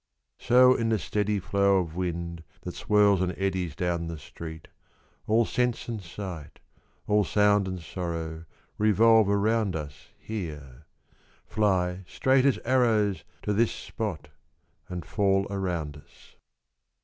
So in the steady flow of wind That swirls and eddies down the street All sense and sight All sound and sorrow Revolve around us here :— Fly straight as arrows to this spot And fall around us. — 35 Barrel Organs